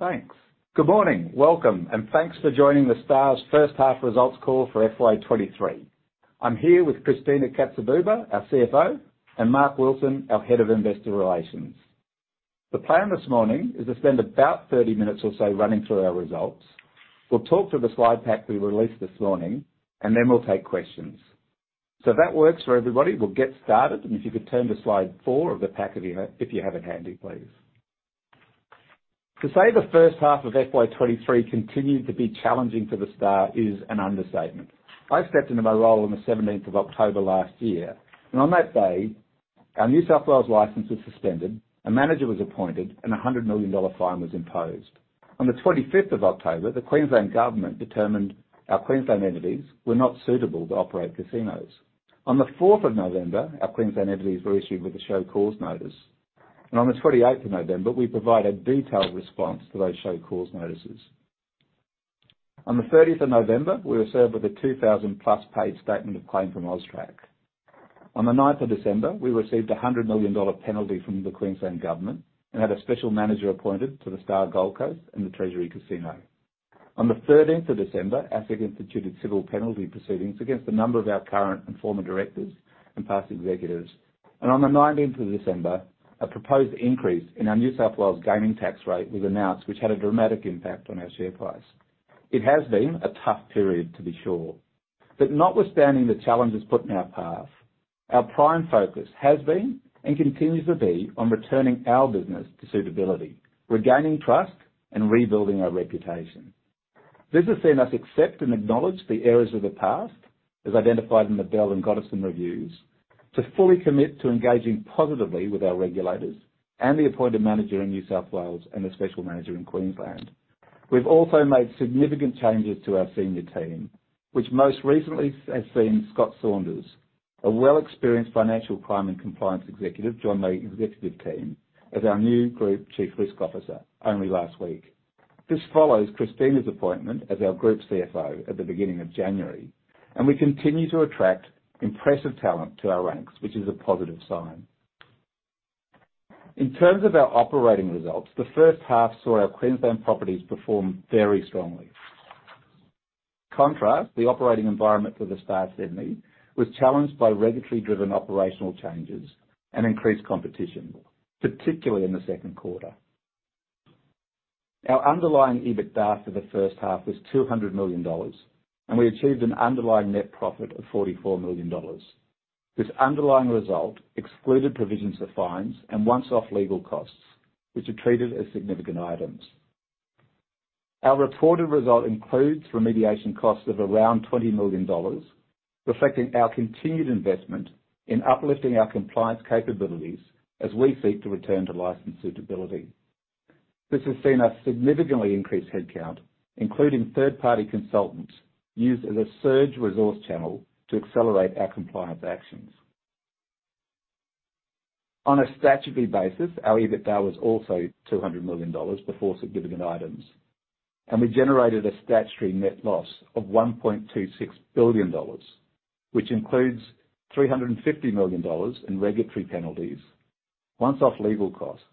Thanks. Good morning. Welcome, thanks for joining The Star's first half results call for FY 2023. I'm here with Christina Katsibouba, our CFO, and Mark Wilson, our head of investor relations. The plan this morning is to spend about 30 minutes or so running through our results. We'll talk to the slide pack we released this morning, then we'll take questions. If that works for everybody, we'll get started. If you could turn to slide four of the pack if you know, if you have it handy, please. To say the first half of FY 2023 continued to be challenging for The Star is an understatement. I stepped into my role on the 17th of October last year, and on that day, our New South Wales license was suspended, a manager was appointed, and an 100 million dollar fine was imposed. On the 25th of October, the Queensland Government determined our Queensland entities were not suitable to operate casinos. On the fourth of November, our Queensland entities were issued with a show cause notice. On the 28th of November, we provided detailed response to those show cause notices. On the 30th of November, we were served with a 2,000+ page statement of claim from AUSTRAC. On the nineth of December, we received a $100 million penalty from the Queensland Government and had a special manager appointed to The Star Gold Coast and the Treasury Casino. On the 13th of December, ASIC instituted civil penalty proceedings against a number of our current and former directors and past executives. On the 19th of December, a proposed increase in our New South Wales gaming tax rate was announced, which had a dramatic impact on our share price. It has been a tough period, to be sure. Notwithstanding the challenges put in our path, our prime focus has been, and continues to be, on returning our business to suitability, regaining trust, and rebuilding our reputation. This has seen us accept and acknowledge the errors of the past, as identified in the Bell and Gotterson reviews, to fully commit to engaging positively with our regulators and the appointed manager in New South Wales and the special manager in Queensland. We've also made significant changes to our senior team, which most recently has seen Scott Saunders, a well-experienced financial crime and compliance executive, join the executive team as our new Group Chief Risk Officer only last week. This follows Christina's appointment as our Group CFO at the beginning of January, and we continue to attract impressive talent to our ranks, which is a positive sign. In terms of our operating results, the first half saw our Queensland properties perform very strongly. The operating environment for The Star Sydney was challenged by regulatory-driven operational changes and increased competition, particularly in the second quarter. Our underlying EBITDA for the first half was $200 million, and we achieved an underlying net profit of $44 million. This underlying result excluded provisions for fines and once-off legal costs, which are treated as significant items. Our reported result includes remediation costs of around $20 million, reflecting our continued investment in uplifting our compliance capabilities as we seek to return to license suitability. This has seen us significantly increase headcount, including third-party consultants, used as a surge resource channel to accelerate our compliance actions. On a statutory basis, our EBITDA was also $200 million before significant items. We generated a statutory net loss of $1.26 billion, which includes $350 million in regulatory penalties, once-off legal costs,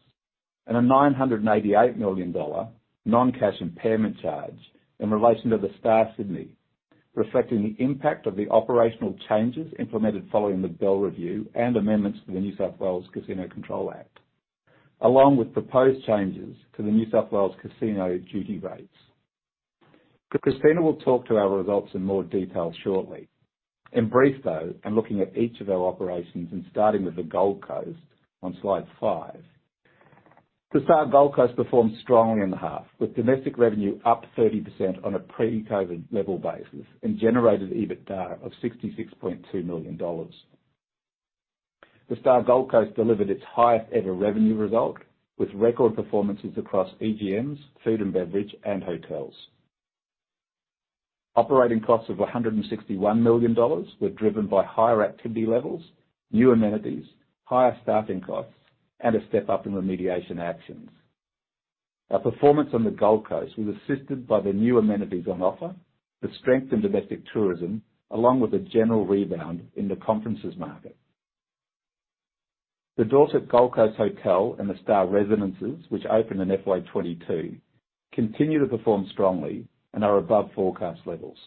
and an $988 million non-cash impairment charge in relation to The Star Sydney, reflecting the impact of the operational changes implemented following the Bell Review and amendments to the New South Wales Casino Control Act, along with proposed changes to the New South Wales casino duty rates. Christina will talk to our results in more detail shortly. In brief, though, in looking at each of our operations, and starting with the Gold Coast on slide 5. The Star Gold Coast performed strongly in the half, with domestic revenue up 30% on a pre-COVID level basis and generated EBITDA of $66.2 million. The Star Gold Coast delivered its highest ever revenue result, with record performances across EGMs, food and beverage, and hotels. Operating costs of $161 million were driven by higher activity levels, new amenities, higher staffing costs, and a step up in remediation actions. Our performance on the Gold Coast was assisted by the new amenities on offer, the strength in domestic tourism, along with a general rebound in the conferences market. The Dorsett Gold Coast Hotel and The Star Residences, which opened in FY 2022, continue to perform strongly and are above forecast levels.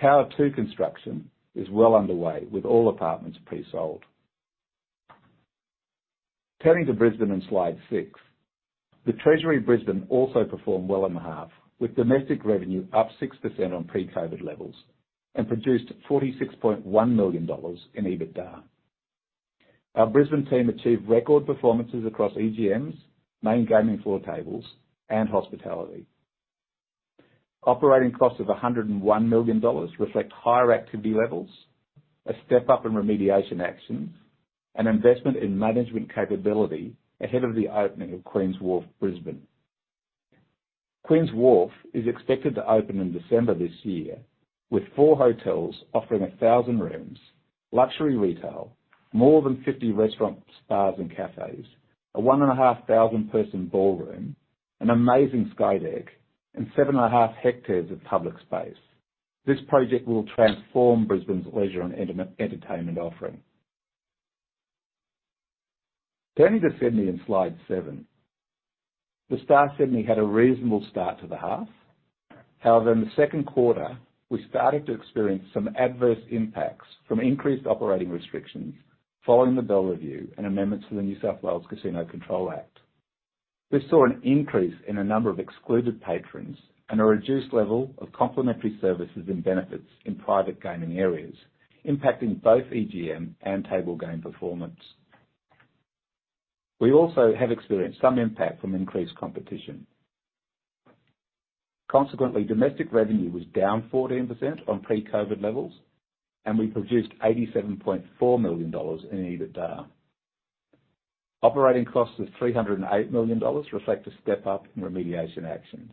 Tower Two construction is well underway, with all apartments pre-sold. Turning to Brisbane on slide six. The Treasury Brisbane also performed well in the half, with domestic revenue up 6% on pre-COVID levels and produced AUD 46.1 million in EBITDA. Our Brisbane team achieved record performances across EGMs, main gaming floor tables, and hospitality. Operating costs of $ 101 million reflect higher activity levels, a step up in remediation actions, and investment in management capability ahead of the opening of Queens Wharf Brisbane. Queens Wharf is expected to open in December this year, with four hotels offering 1,000 rooms, luxury retail, more than 50 restaurants, bars, and cafes, a 1,500 person ballroom, an amazing sky deck, and 7.5 hectares of public space. This project will transform Brisbane's leisure and entertainment offering. Turning to Sydney in Slide 7. The Star Sydney had a reasonable start to the half. However, in the second quarter, we started to experience some adverse impacts from increased operating restrictions following the Bell Review and amendments to the New South Wales Casino Control Act. This saw an increase in a number of excluded patrons and a reduced level of complimentary services and benefits in private gaming areas, impacting both EGM and table game performance. We also have experienced some impact from increased competition. Consequently, domestic revenue was down 14% on pre-COVID levels, and we produced $87.4 million in EBITDA. Operating costs of $308 million reflect a step-up in remediation actions.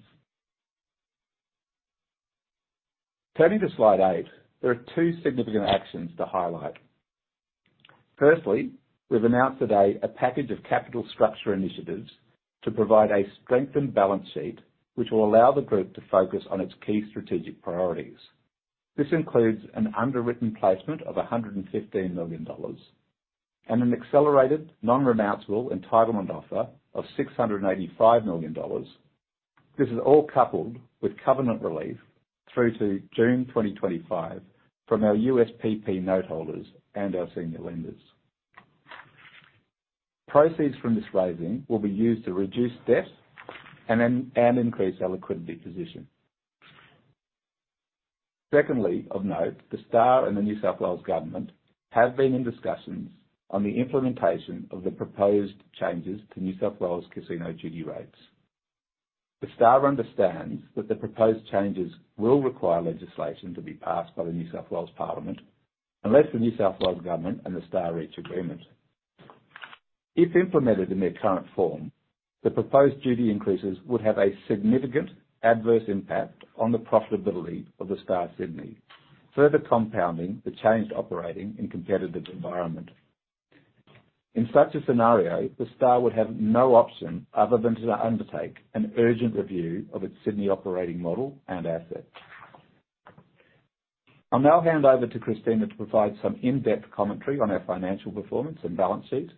Turning to Slide eight, there are two significant actions to highlight. Firstly, we've announced today a package of capital structure initiatives to provide a strengthened balance sheet, which will allow the group to focus on its key strategic priorities. This includes an underwritten placement of $115 million and an accelerated non-renounceable entitlement offer of $685 million. This is all coupled with covenant relief through to June 2025 from our USPP note holders and our senior lenders. Proceeds from this raising will be used to reduce debt and increase our liquidity position. Secondly, of note, The Star and the New South Wales Government have been in discussions on the implementation of the proposed changes to New South Wales casino duty rates. The Star understands that the proposed changes will require legislation to be passed by the New South Wales Parliament, unless the New South Wales Government and The Star reach agreement. If implemented in their current form, the proposed duty increases would have a significant adverse impact on the profitability of The Star Sydney, further compounding the changed operating and competitive environment. In such a scenario, The Star would have no option other than to undertake an urgent review of its Sydney operating model and assets. I'll now hand over to Christina to provide some in-depth commentary on our financial performance and balance sheet.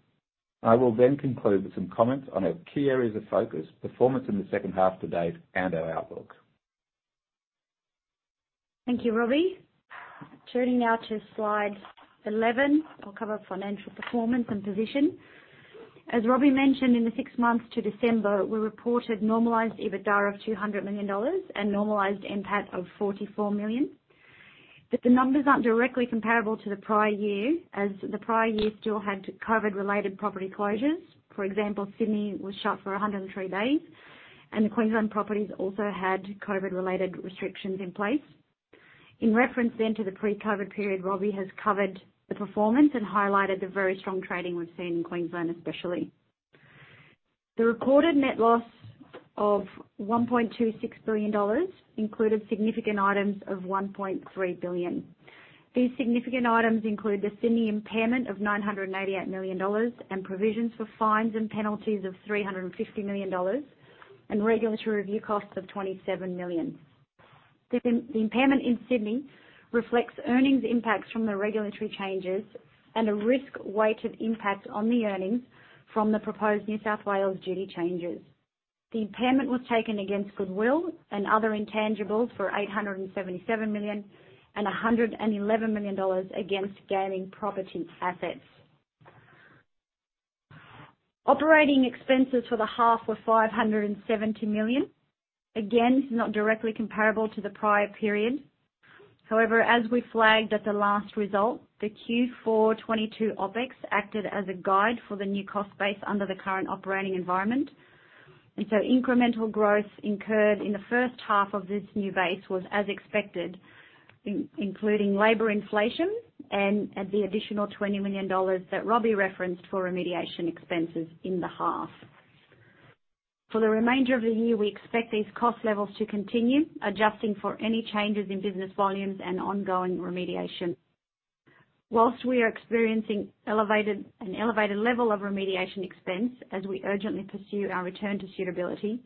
I will then conclude with some comments on our key areas of focus, performance in the second half to date, and our outlook. Thank you, Robbie. Turning now to Slide 11. I'll cover financial performance and position. As Robbie mentioned, in the six months to December, we reported normalized EBITDA of $200 million and normalized NPAT of $44 million. The numbers aren't directly comparable to the prior year, as the prior year still had COVID-related property closures. For example, Sydney was shut for 103 days, and the Queensland properties also had COVID-related restrictions in place. In reference to the pre-COVID period, Robbie has covered the performance and highlighted the very strong trading we've seen in Queensland, especially. The recorded net loss of $1.26 billion included significant items of $1.3 billion. These significant items include the Sydney impairment of $988 million and provisions for fines and penalties of $350 million and regulatory review costs of $27 million. The impairment in Sydney reflects earnings impacts from the regulatory changes and a risk-weighted impact on the earnings from the proposed New South Wales duty changes. The impairment was taken against goodwill and other intangibles for $877 million and $111 million against gaming property assets. Operating expenses for the half were $570 million. Again, this is not directly comparable to the prior period. As we flagged at the last result, the Q4 '22 OpEx acted as a guide for the new cost base under the current operating environment. Incremental growth incurred in the first half of this new base was as expected, including labor inflation and the additional $20 million that Robbie referenced for remediation expenses in the half. For the remainder of the year, we expect these cost levels to continue adjusting for any changes in business volumes and ongoing remediation. Whilst we are experiencing an elevated level of remediation expense as we urgently pursue our return to suitability,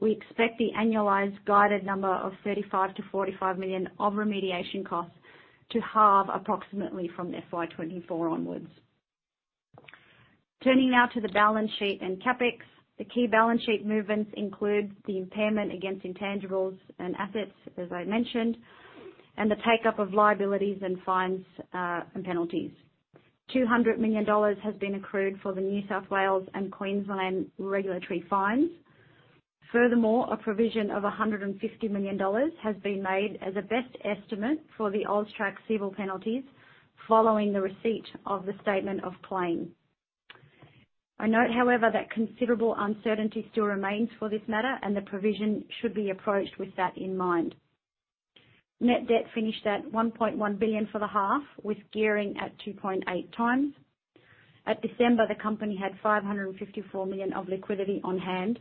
we expect the annualized guided number of $35-45 million of remediation costs to halve approximately from FY 2024 onwards. Turning now to the balance sheet and CapEx. The key balance sheet movements include the impairment against intangibles and assets, as I mentioned, and the take-up of liabilities and fines and penalties. $200 million has been accrued for the New South Wales and Queensland regulatory fines. Furthermore, a provision of $150 million has been made as a best estimate for the AUSTRAC civil penalties following the receipt of the statement of claim. I note, however, that considerable uncertainty still remains for this matter, and the provision should be approached with that in mind. Net debt finished at $1.1 billion for the half, with gearing at 2.8x. At December, the company had $554 million of liquidity on hand.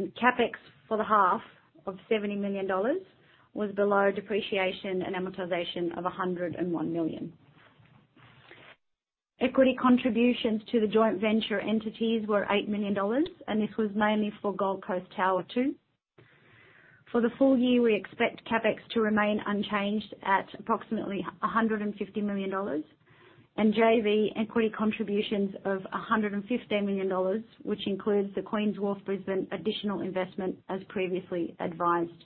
CapEx for the half of $70 million was below depreciation and amortization of $101 million. Equity contributions to the joint venture entities were $8 million, and this was mainly for Gold Coast Tower Two. For the full year, we expect CapEx to remain unchanged at approximately $150 million and JV equity contributions of $115 million, which includes The Queens Wharf Brisbane additional investment as previously advised.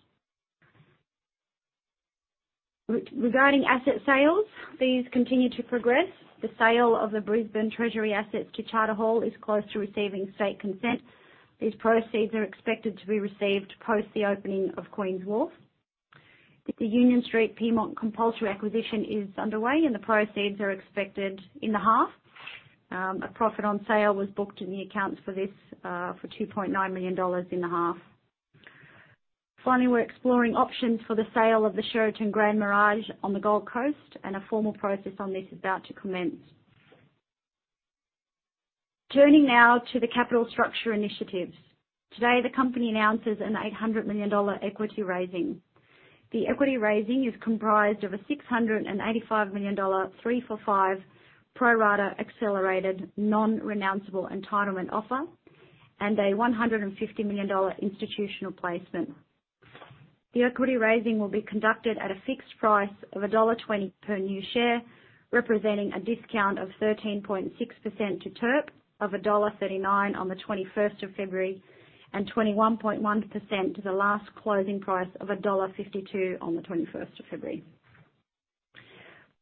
Regarding asset sales, these continue to progress. The sale of the Treasury Brisbane assets to Charter Hall is close to receiving state consent. These proceeds are expected to be received post the opening of Queens Wharf. The Union Street, Pyrmont compulsory acquisition is underway, and the proceeds are expected in the half. A profit on sale was booked in the accounts for this for $2.9 million in the half. Finally, we're exploring options for the sale of the Sheraton Grand Mirage Resort Gold Coast, and a formal process on this is about to commence. Turning now to the capital structure initiatives. Today, the company announces an 800 million dollar equity raising. The equity raising is comprised of an $685 million 3 for 5 pro rata accelerated non-renounceable entitlement offer and an $150 million institutional placement. The equity raising will be conducted at a fixed price of $1.20 per new share, representing a discount of 13.6% to TERP of $1.39 on the 21st of February, and 21.1% to the last closing price of $1.52 on the 21st of February.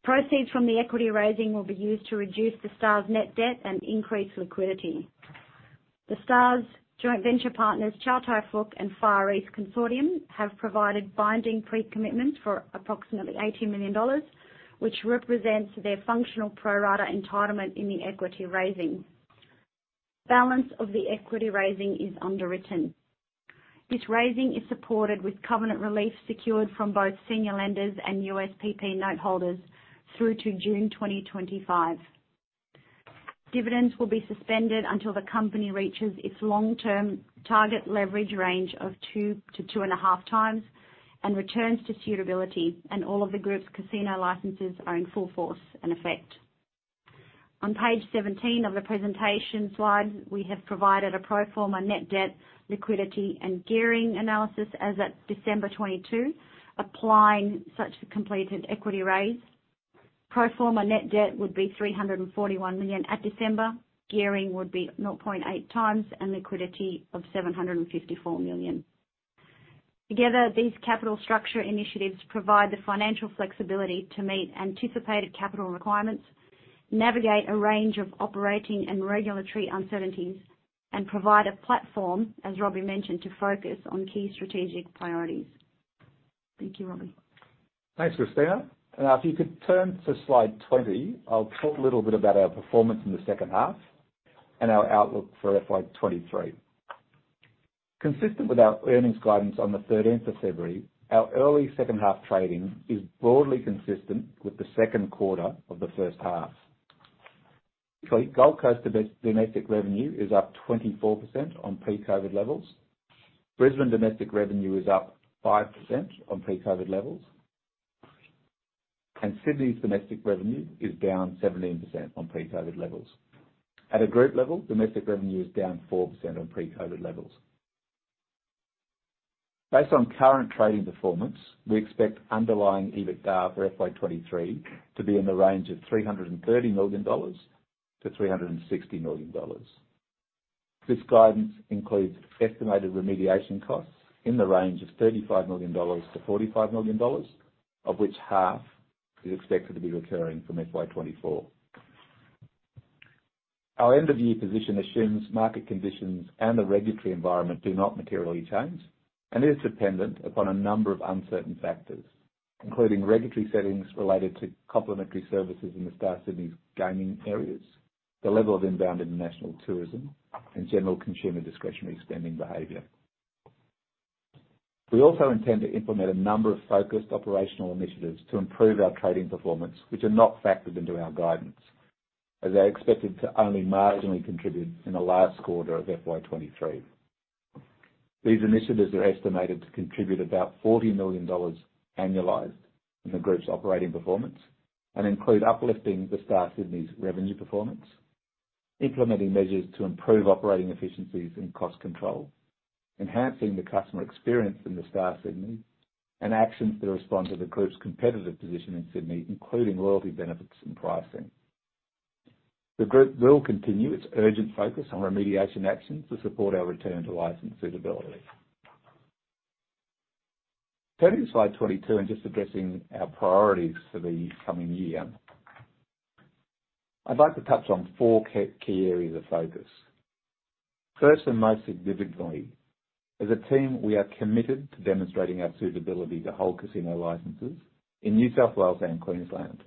Proceeds from the equity raising will be used to reduce The Star's net debt and increase liquidity. The Star's joint venture partners, Chow Tai Fook and Far East Consortium, have provided binding pre-commitments for approximately $80 million, which represents their functional pro rata entitlement in the equity raising. Balance of the equity raising is underwritten. This raising is supported with covenant relief secured from both senior lenders and USPP noteholders through to June 2025. Dividends will be suspended until the company reaches its long-term target leverage range of 2-2.5 times and returns to suitability, and all of the group's casino licenses are in full force and effect. On page 17 of the presentation slide, we have provided a pro forma net debt liquidity and gearing analysis as at December 2022. Applying such completed equity raise, pro forma net debt would be $ 341 million. At December, gearing would be 0.8x and liquidity of $754 million. Together, these capital structure initiatives provide the financial flexibility to meet anticipated capital requirements, navigate a range of operating and regulatory uncertainties, and provide a platform, as Robbie mentioned, to focus on key strategic priorities. Thank you, Robbie. Thanks, Christina. Now if you could turn to slide 20, I'll talk a little bit about our performance in the second half and our outlook for FY23. Consistent with our earnings guidance on the 13th of February, our early second half trading is broadly consistent with the second quarter of the first half. Gold Coast domestic revenue is up 24% on pre-COVID levels. Brisbane domestic revenue is up 5% on pre-COVID levels. Sydney's domestic revenue is down 17% on pre-COVID levels. At a group level, domestic revenue is down 4% on pre-COVID levels. Based on current trading performance, we expect underlying EBITDA for FY23 to be in the range of $330-360 million. This guidance includes estimated remediation costs in the range of $35-45 million, of which half is expected to be recurring from FY 2024. Our end of year position assumes market conditions and the regulatory environment do not materially change and is dependent upon a number of uncertain factors, including regulatory settings related to complementary services in The Star Sydney's gaming areas, the level of inbound international tourism, and general consumer discretionary spending behavior. We also intend to implement a number of focused operational initiatives to improve our trading performance, which are not factored into our guidance, as they are expected to only marginally contribute in the last quarter of FY 2023. These initiatives are estimated to contribute about $40 million annualized in the group's operating performance and include uplifting The Star Sydney's revenue performance, implementing measures to improve operating efficiencies and cost control, enhancing the customer experience in The Star Sydney, and actions that respond to the group's competitive position in Sydney, including loyalty benefits and pricing. The group will continue its urgent focus on remediation actions to support our return to license suitability. Turning to slide 22 and just addressing our priorities for the coming year. I'd like to touch on four key areas of focus. First, and most significantly, as a team, we are committed to demonstrating our suitability to hold casino licenses in New South Wales and Queensland.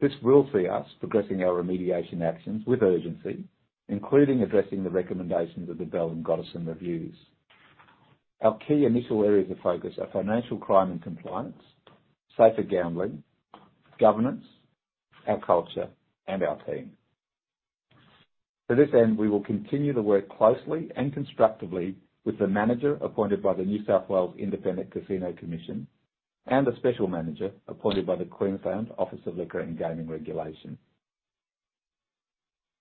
This will see us progressing our remediation actions with urgency, including addressing the recommendations of the Bell and Gotterson reviews. Our key initial areas of focus are financial crime and compliance, safer gambling, governance, our culture, and our team. To this end, we will continue to work closely and constructively with the manager appointed by the New South Wales Independent Casino Commission and the special manager appointed by the Queensland Office of Liquor and Gaming Regulation.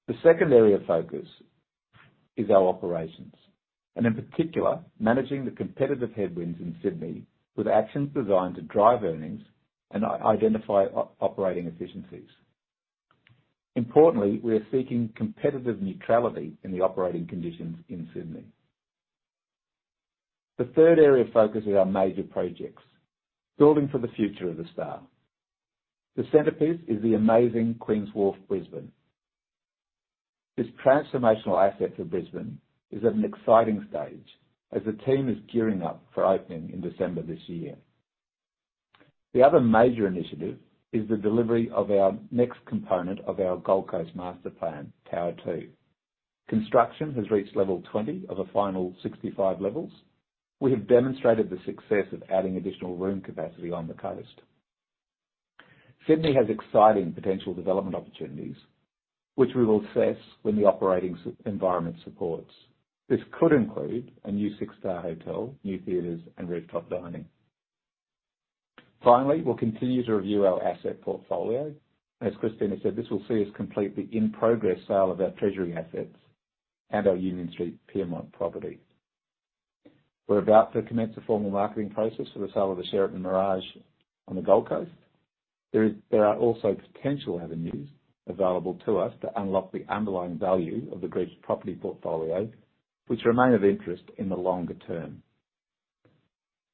The second area of focus is our operations and in particular managing the competitive headwinds in Sydney with actions designed to drive earnings and identify operating efficiencies. Importantly, we are seeking competitive neutrality in the operating conditions in Sydney. The third area of focus is our major projects, building for the future of The Star. The centerpiece is the amazing Queens Wharf, Brisbane. This transformational asset for Brisbane is at an exciting stage as the team is gearing up for opening in December this year. The other major initiative is the delivery of our next component of our Gold Coast master plan, tower two. Construction has reached level 20 of a final 65 levels. We have demonstrated the success of adding additional room capacity on the Coast. Sydney has exciting potential development opportunities, which we will assess when the operating environment supports. This could include a new six-star hotel, new theaters and rooftop dining. Finally, we'll continue to review our asset portfolio. As Christina said, this will see us complete the in-progress sale of our Treasury assets and our Union Street, Pyrmont property. We're about to commence a formal marketing process for the sale of the Sheraton Mirage on the Gold Coast. There are also potential avenues available to us to unlock the underlying value of the group's property portfolio, which remain of interest in the longer term.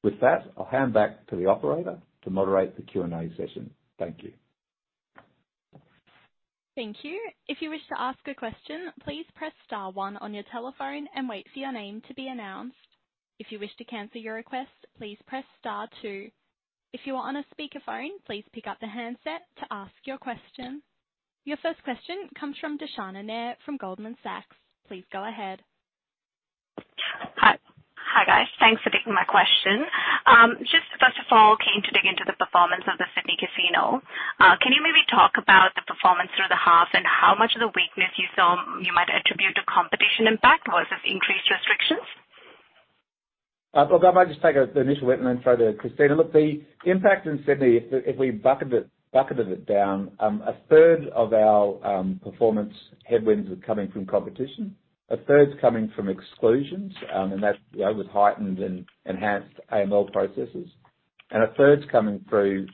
With that, I'll hand back to the operator to moderate the Q&A session. Thank you. Thank you. If you wish to ask a question, please press star one on your telephone and wait for your name to be announced. If you wish to cancel your request, please press star two. If you are on a speakerphone, please pick up the handset to ask your question. Your first question comes from Darshana from Goldman Sachs. Please go ahead. Hi. Hi, guys. Thanks for taking my question. Just first of all, keen to dig into the performance of the Sydney Casino. Can you maybe talk about the performance through the half and how much of the weakness you saw you might attribute to competition impact or was this increased restrictions? I might just take a, the initial hit and then throw to Christina. Look, the impact in Sydney if we bucketed it down, a third of our performance headwinds are coming from competition, a third's coming from exclusions, and that, you know, was heightened and enhanced AML processes. A third's coming through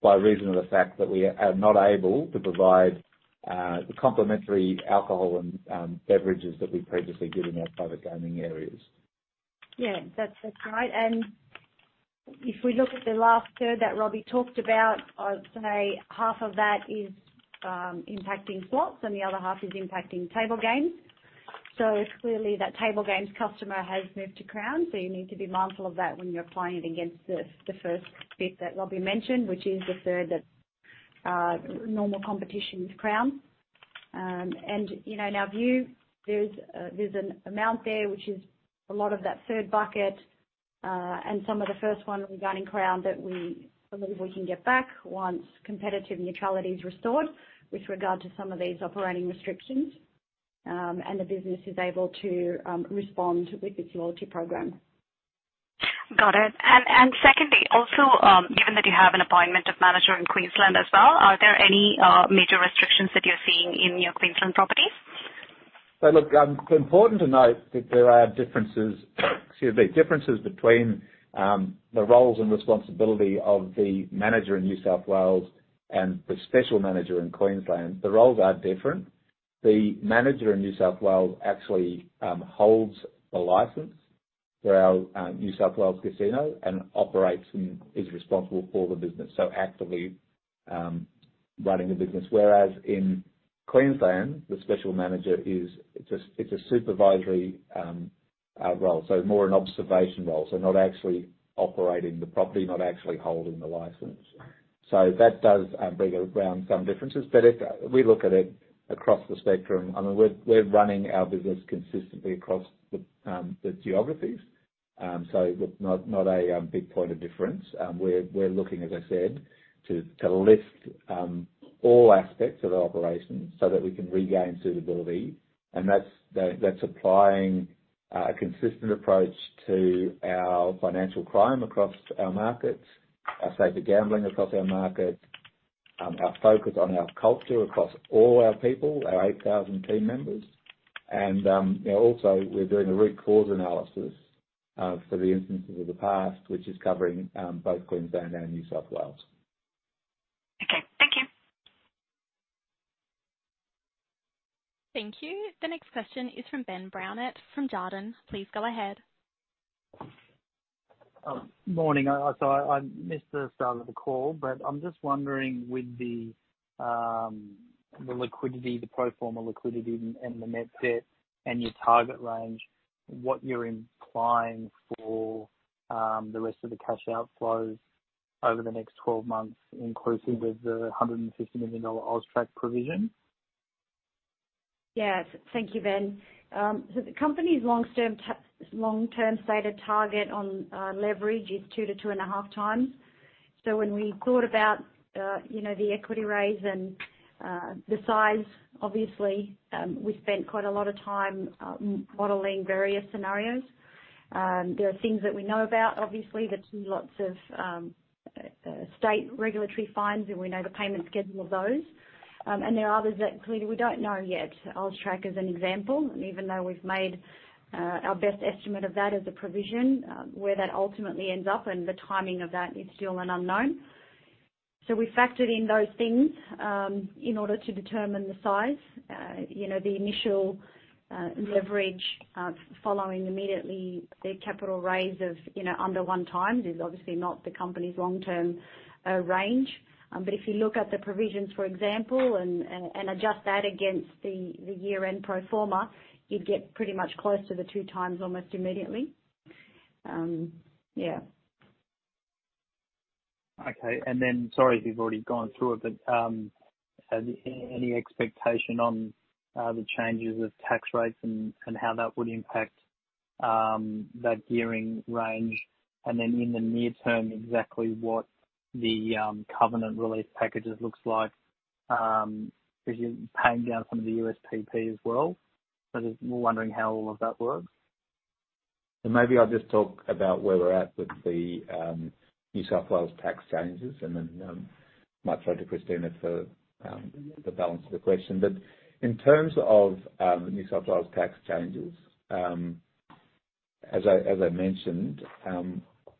by reason of the fact that we are not able to provide the complimentary alcohol and beverages that we previously did in our private gaming areas. Yeah, that's right. If we look at the last third that Robbie talked about, I'd say half of that is impacting slots and the other half is impacting table games. Clearly that table games customer has moved to Crown, so you need to be mindful of that when you're playing it against the first bit that Robbie mentioned, which is the third that normal competition with Crown. You know, in our view, there's an amount there which is a lot of that third bucket and some of the first one regarding Crown that we believe we can get back once competitive neutrality is restored with regard to some of these operating restrictions and the business is able to respond with its loyalty program. Got it. Secondly, also, given that you have an appointment of manager in Queensland as well, are there any major restrictions that you're seeing in your Queensland properties? Important to note that there are differences, excuse me, differences between the roles and responsibility of the manager in New South Wales and the special manager in Queensland. The roles are different. The manager in New South Wales actually holds the license for our New South Wales casino and operates and is responsible for the business. Actively running the business. Whereas in Queensland, the special manager is. It's a supervisory role, so more an observation role. Not actually operating the property, not actually holding the license. That does bring around some differences. If we look at it across the spectrum, I mean, we're running our business consistently across the geographies. Not a big point of difference. We're looking, as I said, to lift all aspects of our operations so that we can regain suitability. That's applying a consistent approach to our financial crime across our markets, our safer gambling across our markets, our focus on our culture across all our people, our 8,000 team members. You know, also we're doing a root cause analysis for the instances of the past, which is covering both Queensland and New South Wales. Okay. Thank you. Thank you. The next question is from Ben Brown from Jarden. Please go ahead. Morning. I missed the start of the call, I'm just wondering with the liquidity, the pro forma liquidity and the net debt and your target range, what you're implying for the rest of the cash outflows over the next 12 months, inclusive of the $150 million AUSTRAC provision? Yes. Thank you, Ben. The company's long-term stated target on leverage is 2-2.5 times. When we thought about, you know, the equity raise and the size, obviously, we spent quite a lot of time modeling various scenarios. There are things that we know about, obviously. There's lots of state regulatory fines, and we know the payment schedule of those. There are others that clearly we don't know yet. AUSTRAC is an example. Even though we've made our best estimate of that as a provision, where that ultimately ends up and the timing of that is still an unknown. We factored in those things in order to determine the size. You know, the initial leverage, following immediately the capital raise of, you know, under 1 times is obviously not the company's long-term range. If you look at the provisions, for example, and adjust that against the year-end pro forma, you'd get pretty much close to the 2 times almost immediately. Sorry if you've already gone through it, but any expectation on the changes of tax rates and how that would impact that gearing range? In the near term, exactly what the covenant relief packages looks like, 'cause you're paying down some of the USPP as well. We're wondering how all of that works. Maybe I'll just talk about where we're at with the New South Wales tax changes and then might turn to Christina for the balance of the question. In terms of the New South Wales tax changes, as I mentioned, it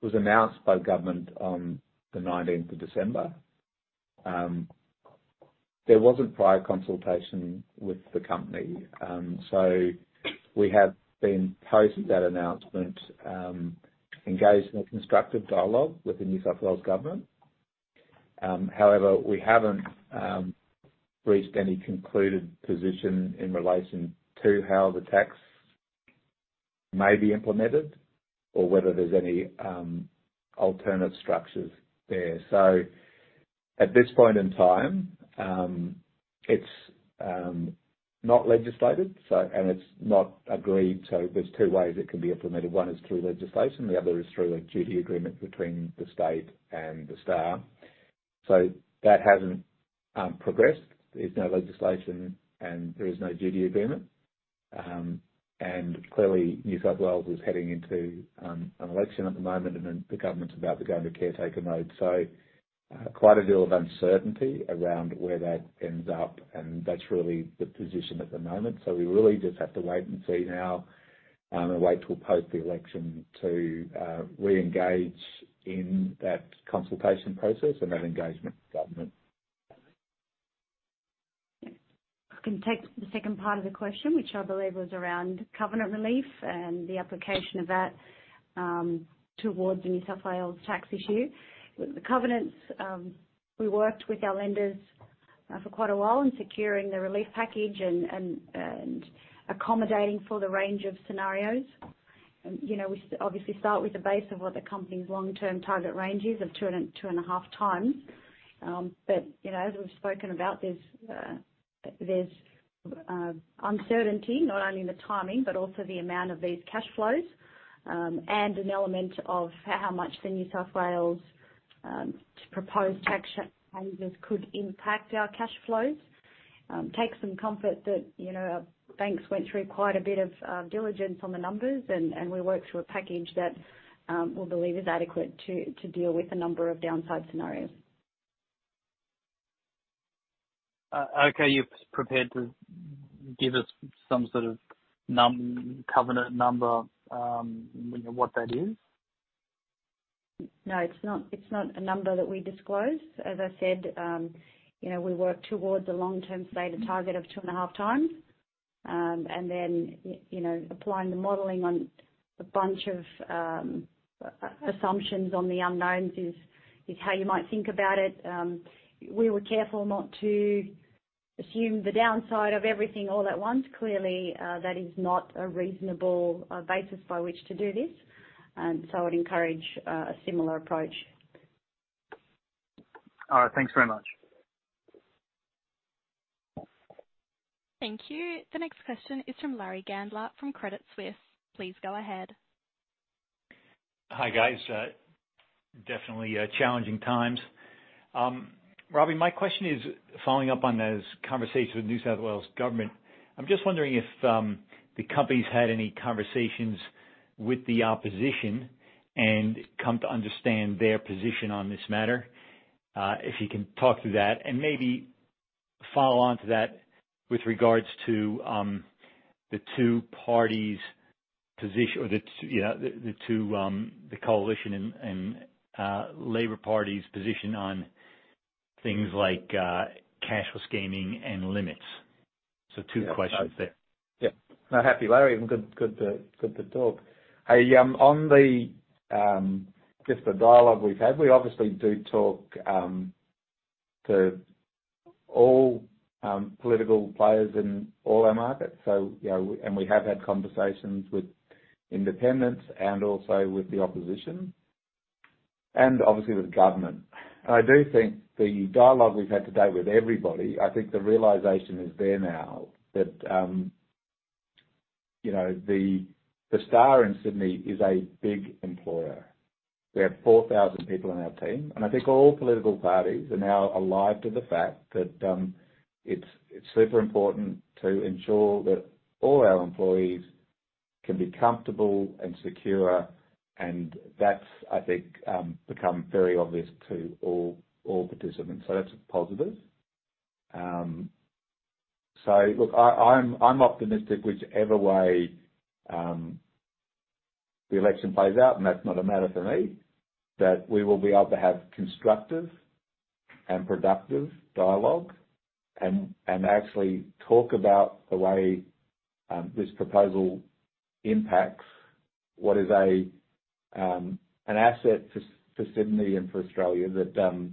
was announced by government on the 19th of December. There wasn't prior consultation with the company. We have been, post that announcement, engaged in a constructive dialogue with the New South Wales government. We haven't reached any concluded position in relation to how the tax may be implemented or whether there's any alternate structures there. At this point in time, it's not legislated, and it's not agreed. There's two ways it can be implemented. One is through legislation, the other is through a duty agreement between the state and The Star. That hasn't progressed. There's no legislation and there is no duty agreement. Clearly, New South Wales is heading into an election at the moment, and then the government's about to go into caretaker mode. Quite a deal of uncertainty around where that ends up, and that's really the position at the moment. We really just have to wait and see now, and wait till post the election to reengage in that consultation process and that engagement with government. I can take the second part of the question, which I believe was around covenant relief and the application of that towards the New South Wales tax issue. With the covenants, we worked with our lenders for quite a while in securing the relief package and accommodating for the range of scenarios. You know, we obviously start with the base of what the company's long-term target range is of 2.5 times. You know, as we've spoken about, there's uncertainty not only in the timing, but also the amount of these cash flows, and an element of how much the New South Wales proposed tax changes could impact our cash flows. Take some comfort that, you know, our banks went through quite a bit of diligence on the numbers and we worked through a package that we believe is adequate to deal with a number of downside scenarios. Okay. You're prepared to give us some sort of covenant number, you know, what that is? No, it's not, it's not a number that we disclose. As I said, you know, we work towards a long-term stated target of 2.5 times. Then, you know, applying the modeling on a bunch of assumptions on the unknowns is how you might think about it. We were careful not to assume the downside of everything all at once. Clearly, that is not a reasonable basis by which to do this, and so I would encourage a similar approach. All right. Thanks very much. Thank you. The next question is from Larry Gandler from Credit Suisse. Please go ahead. Hi, guys. Definitely, challenging times. Robbie, my question is following up on those conversations with New South Wales Government, I'm just wondering if the company's had any conversations with the opposition and come to understand their position on this matter. If you can talk through that and maybe follow on to that with regards to the two parties' you know, the coalition and Labor Party's position on things like cashless gaming and limits. Two questions there. Yeah. No, happy, Larry. Good to talk. I, on the dialogue we've had, we obviously do talk to all political players in all our markets. We have had conversations with independents and also with the opposition, and obviously with government. I do think the dialogue we've had to date with everybody, I think the realization is there now that The Star Sydney is a big employer. We have 4,000 people in our team. I think all political parties are now alive to the fact that it's super important to ensure that all our employees can be comfortable and secure, and that's, I think, become very obvious to all participants. That's a positive. Look, I'm, I'm optimistic whichever way the election plays out, and that's not a matter for me, that we will be able to have constructive and productive dialogue and actually talk about the way this proposal impacts what is a, an asset for Sydney and for Australia that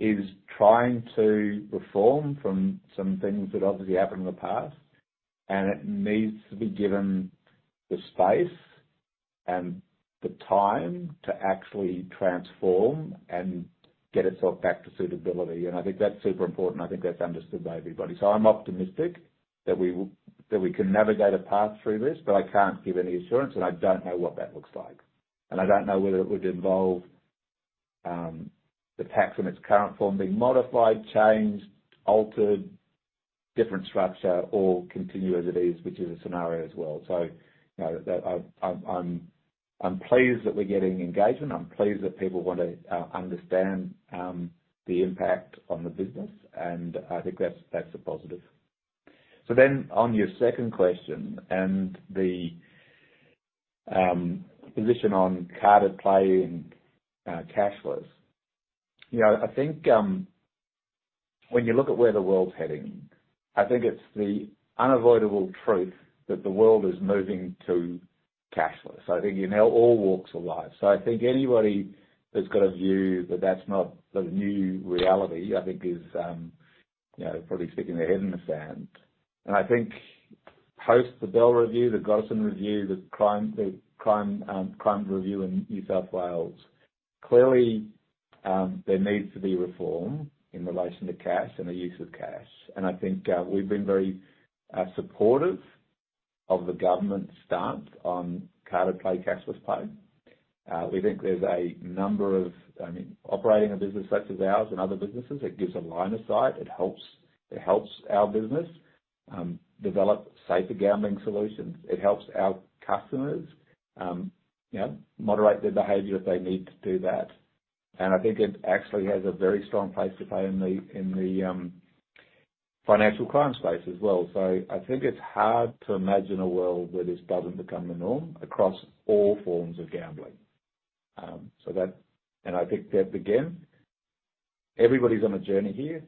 is trying to reform from some things that obviously happened in the past. It needs to be given the space and the time to actually transform and get itself back to suitability. I think that's super important. I think that's understood by everybody. I'm optimistic that we can navigate a path through this, but I can't give any assurance, and I don't know what that looks like. I don't know whether it would involve the tax in its current form being modified, changed, altered, different structure, or continue as it is, which is a scenario as well. You know, that I'm pleased that we're getting engagement. I'm pleased that people want to understand the impact on the business, and I think that's a positive. On your second question and the position on carded play and cashless. You know, I think when you look at where the world's heading, I think it's the unavoidable truth that the world is moving to cashless. I think, you know, all walks of life. I think anybody that's got a view that that's not the new reality, I think is, you know, probably sticking their head in the sand. I think post the Bell Review, the Gotterson Review, the crimes review in New South Wales, clearly, there needs to be reform in relation to cash and the use of cash. I think, we've been very supportive of the government's stance on carded play, cashless pay. We think there's a number of. I mean, operating a business such as ours and other businesses, it gives a line of sight. It helps our business develop safer gambling solutions. It helps our customers, you know, moderate their behavior if they need to do that. I think it actually has a very strong place to play in the financial crime space as well. I think it's hard to imagine a world where this doesn't become the norm across all forms of gambling. I think that, again, everybody's on a journey here.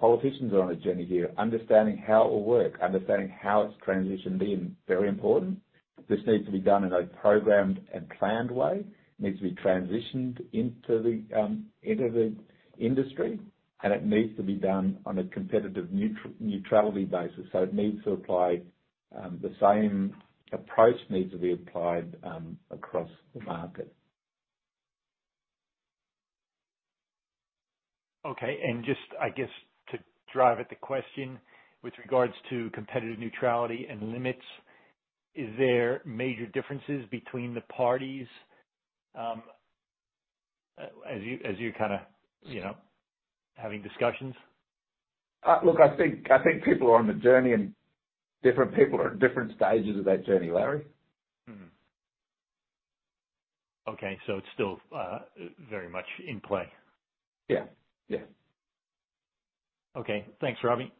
Politicians are on a journey here understanding how it will work, understanding how it's transitioned being very important. This needs to be done in a programmed and planned way, needs to be transitioned into the industry, and it needs to be done on a competitive neutrality basis. It needs to apply, the same approach needs to be applied, across the market. Okay. just I guess to drive at the question with regards to competitive neutrality and limits, is there major differences between the parties, as you kind of, you know, having discussions? Look, I think people are on the journey and different people are at different stages of that journey, Larry. Mm-hmm. Okay, it's still very much in play. Yeah. Yeah. Okay. Thanks, Robbie.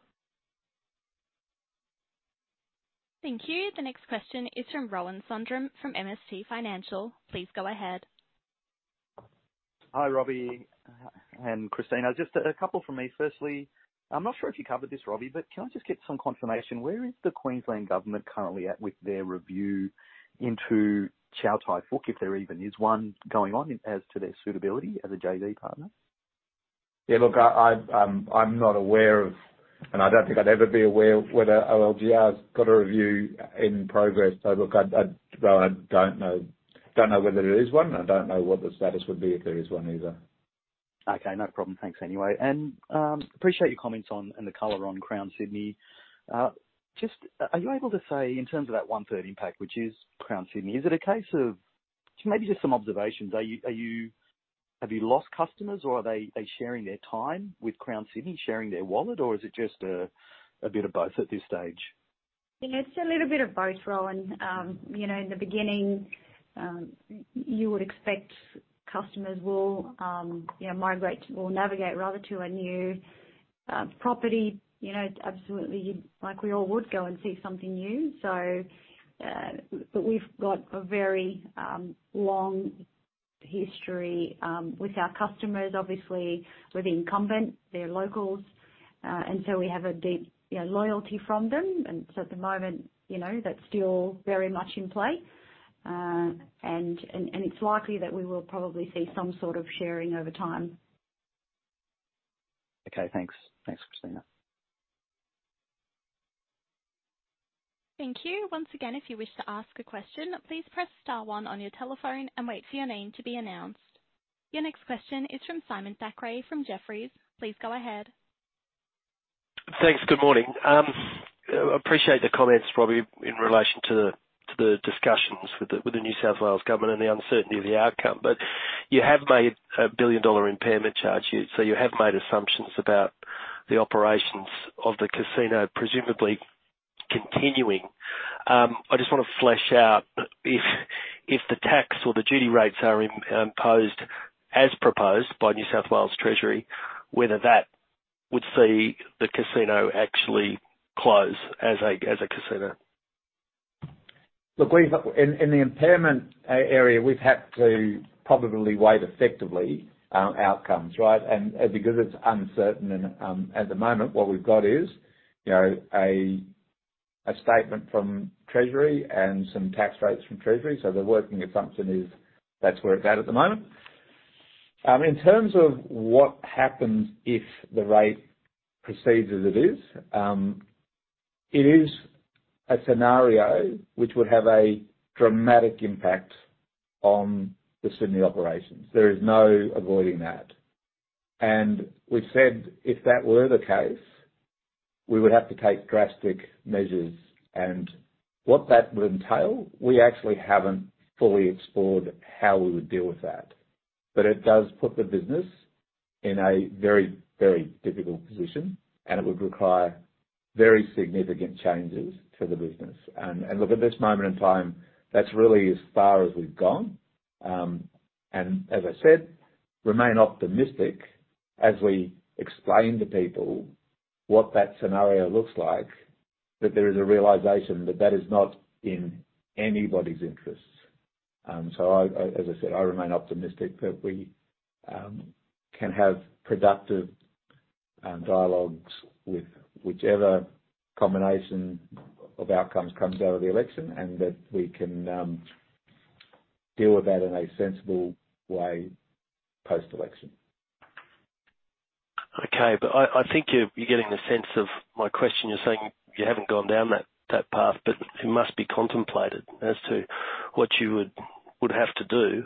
Thank you. The next question is from Rohan Sundram from MST Financial. Please go ahead. Hi, Robbie and Christina. Just a couple from me. Firstly, I'm not sure if you covered this, Robbie, but can I just get some confirmation? Where is the Queensland Government currently at with their review into Chow Tai Fook, if there even is one going on as to their suitability as a JV partner? Yeah, look, I'm not aware of, and I don't think I'd ever be aware of whether OLGR's got a review in progress. Look, I don't know. Don't know whether there is one, and I don't know what the status would be if there is one either. Okay, no problem. Thanks anyway. Appreciate your comments on, and the color on Crown Sydney. Just, are you able to say in terms of that one-third impact, which is Crown Sydney? Maybe just some observations: Have you lost customers or are they sharing their time with Crown Sydney, sharing their wallet, or is it just a bit of both at this stage? Yeah, it's a little bit of both, Rohan. You know, in the beginning, you would expect customers will, you know, migrate, will navigate rather to a new property. You know, absolutely like we all would go and see something new. We've got a very long history with our customers, obviously, with incumbent, they're locals. We have a deep, you know, loyalty from them. At the moment, you know, that's still very much in play. It's likely that we will probably see some sort of sharing over time. Okay, thanks. Thanks, Christina. Thank you. Once again, if you wish to ask a question, please press star one on your telephone and wait for your name to be announced. Your next question is from Simon Thackray from Jefferies. Please go ahead. Thanks. Good morning. Appreciate the comments, Robbie, in relation to the discussions with the New South Wales Government and the uncertainty of the outcome. You have made a billion-dollar impairment charge here, so you have made assumptions about the operations of the casino, presumably. Continuing. I just wanna flesh out if the tax or the duty rates are imposed as proposed by NSW Treasury, whether that would see the casino actually close as a casino. Look, in the impairment area, we've had to probably weigh effectively outcomes, right? Because it's uncertain and at the moment, what we've got is, you know, a statement from Treasury and some tax rates from Treasury. The working assumption is that's where it's at at the moment. In terms of what happens if the rate proceeds as it is, it is a scenario which would have a dramatic impact on the Sydney operations. There is no avoiding that. We've said if that were the case, we would have to take drastic measures. What that would entail, we actually haven't fully explored how we would deal with that. It does put the business in a very, very difficult position, and it would require very significant changes to the business. Look, at this moment in time, that's really as far as we've gone. As I said, remain optimistic as we explain to people what that scenario looks like, that there is a realization that that is not in anybody's interests. I, as I said, I remain optimistic that we can have productive dialogues with whichever combination of outcomes comes out of the election, and that we can deal with that in a sensible way post-election. Okay. I think you're getting the sense of my question. You're saying you haven't gone down that path, but it must be contemplated as to what you would have to do.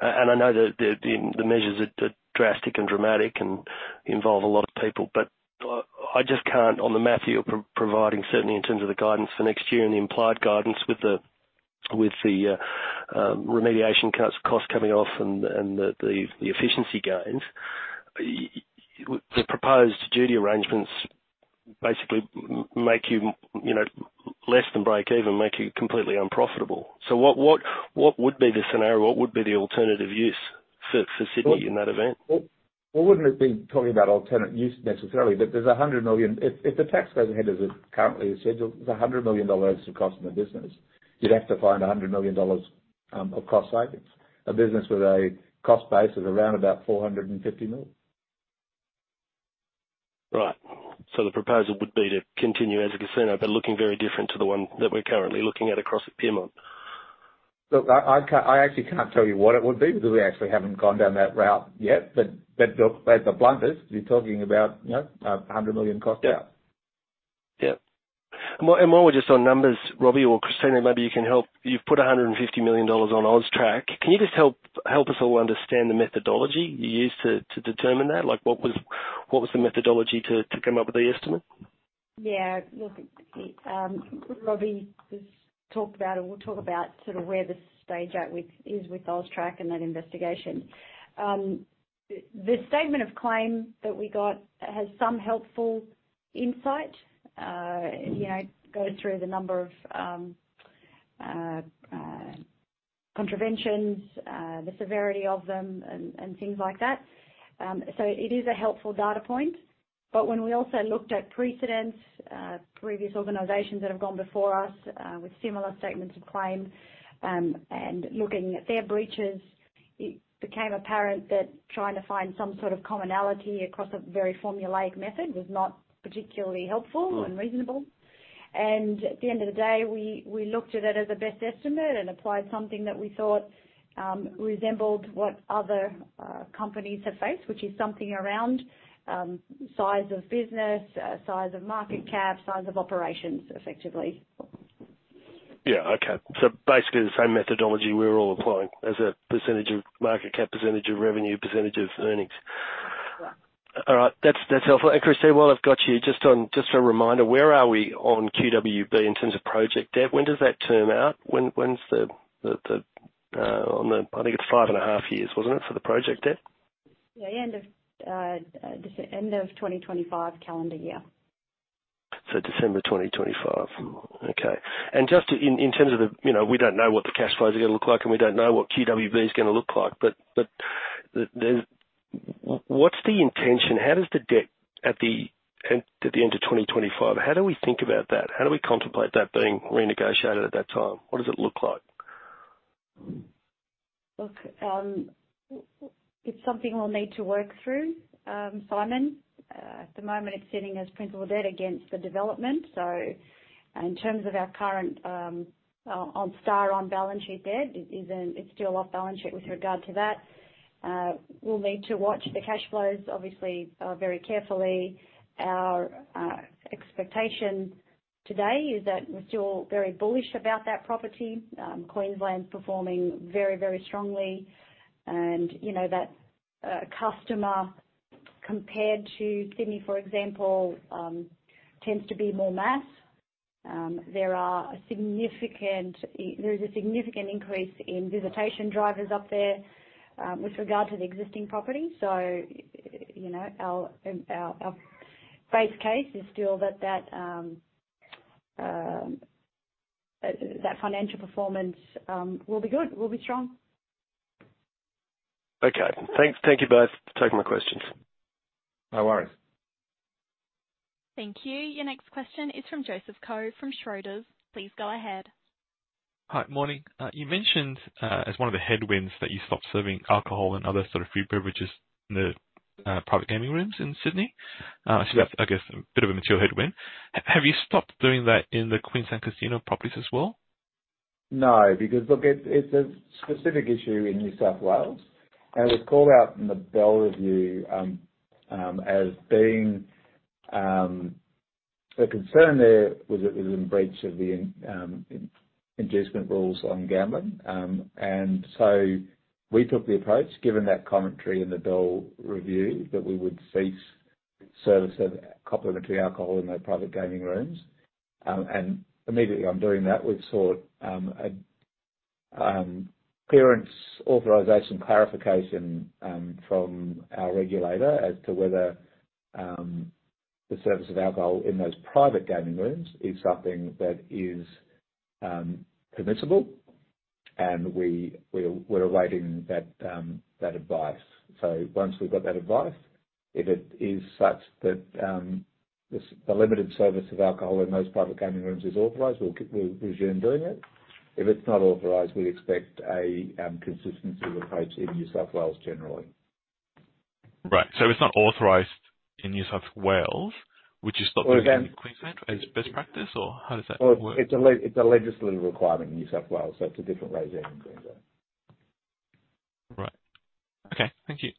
I know that the measures are drastic and dramatic and involve a lot of people, but I just can't on the math you're providing, certainly in terms of the guidance for next year and the implied guidance with the remediation cost coming off and the efficiency gains. The proposed duty arrangements basically make you know, less than break even, make you completely unprofitable. What would be the scenario? What would be the alternative use for Sydney in that event? Well we wouldn't have been talking about alternate use necessarily, but there's $100 million. If the tax goes ahead as it currently is scheduled, there's $100 million of cost in the business. You'd have to find $100 million of cost savings, a business with a cost base of around about $450 million. The proposal would be to continue as a casino, but looking very different to the one that we're currently looking at across at Pyrmont. Look, I actually can't tell you what it would be because we actually haven't gone down that route yet. The blunt is you're talking about, you know, $100 million cost out. Yeah. Yeah. While we're just on numbers, Robbie or Christina, maybe you can help. You've put $150 million on AUSTRAC. Can you just help us all understand the methodology you used to determine that? Like, what was the methodology to come up with the estimate? Yeah. Look, Robbie has talked about or will talk about sort of where the stage at is with AUSTRAC and that investigation. The statement of claim that we got has some helpful insight. You know, it goes through the number of contraventions, the severity of them and things like that. It is a helpful data point. When we also looked at precedents, previous organizations that have gone before us with similar statements of claim, and looking at their breaches, it became apparent that trying to find some sort of commonality across a very formulaic method was not particularly helpful. Mm. or reasonable. At the end of the day, we looked at it as a best estimate and applied something that we thought resembled what other companies have faced, which is something around size of business, size of market cap. Mm. size of operations, effectively. Yeah. Okay. Basically the same methodology we're all applying as a percentage of market cap, percentage of revenue, percentage of earnings. Right. All right. That's helpful. Christina, while I've got you, just on, just a reminder, where are we on QWB in terms of project debt? When does that term out? When's the... I think it's five and a half years, wasn't it, for the project debt? Yeah, end of 2025 calendar year. December 2025. Okay. Just in terms of the, you know, we don't know what the cash flows are gonna look like, and we don't know what QWB is gonna look like, but the, what's the intention? How does the debt at the end of 2025, how do we think about that? How do we contemplate that being renegotiated at that time? What does it look like? Look, it's something we'll need to work through, Simon. At the moment, it's sitting as principal debt against the development. In terms of our current on-balance-sheet debt, it's still off balance sheet with regard to that. We'll need to watch the cash flows, obviously, very carefully. Our expectation today is that we're still very bullish about that property. Queensland's performing very, very strongly, and, you know, that customer compared to Sydney, for example, tends to be more mass. There is a significant increase in visitation drivers up there with regard to the existing property. You know, our base case is still that That financial performance will be good, will be strong. Okay. Thanks, thank you both for taking my questions. No worries. Thank you. Your next question is from Joseph Koh from Schroders. Please go ahead. Hi. Morning. You mentioned, as one of the headwinds that you stopped serving alcohol and other sort of food beverages in the private gaming rooms in Sydney. That's, I guess, a bit of a material headwind. Have you stopped doing that in the Queensland Casino properties as well? It's a specific issue in New South Wales, and it was called out in the Bell Review as being. The concern there was it was in breach of the inducement rules on gambling. We took the approach, given that commentary in the Bell Review, that we would cease service of complimentary alcohol in their private gaming rooms. Immediately on doing that, we sought a clearance, authorization clarification from our regulator as to whether the service of alcohol in those private gaming rooms is something that is permissible. We're awaiting that advice. Once we've got that advice, if it is such that the limited service of alcohol in those private gaming rooms is authorized, we'll resume doing it. If it's not authorized, we expect a consistency approach in New South Wales generally. Right. If it's not authorized in New South Wales, would you stop doing it in Queensland as best practice? How does that work? Well, it's a legislative requirement in New South Wales, so it's a different regime in Queensland. Right. Okay. Thank you.